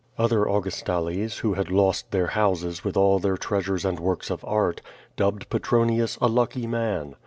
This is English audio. Other Augustales, who had lost their houses with all their treasures and works of art, dubbed Petronius a lucky man.